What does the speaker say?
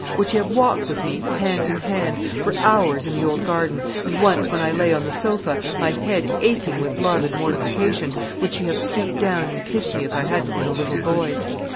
Would she have walked with me, hand in hand, for hours in the old garden, and once when I lay on the sofa, my head aching with love and mortification, would she have stooped down and kissed me if I hadn't been a little boy?